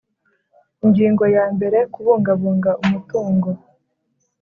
Ingingo ya mbere Kubungabunga umutungo